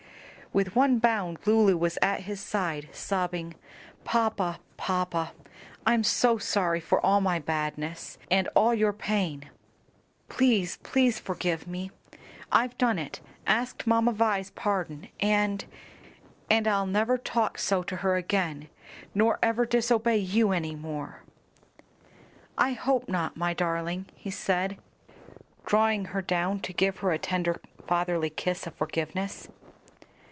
With one bound, Lulu was at his side, sobbing, "Papa, papa! I'm so sorry for all my badness, and all your pain. Please, please forgive me. I've done it asked Mamma Vi's pardon, and and I'll never talk so to her again, nor ever disobey you any more." "I hope not, my darling," he said, drawing her down to give her a tender fatherly kiss of forgiveness.